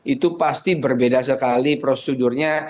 itu pasti berbeda sekali prosedurnya